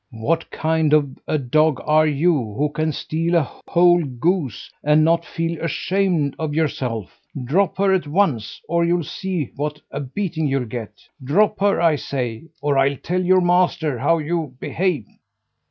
"What kind of a dog are you, who can steal a whole goose and not feel ashamed of yourself? Drop her at once! or you'll see what a beating you'll get. Drop her, I say, or I'll tell your master how you behave!"